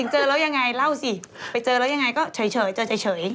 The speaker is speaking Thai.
เจอยังไงก็เฉย